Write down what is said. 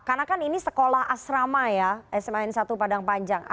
karena kan ini sekolah asrama ya sma n satu padang panjang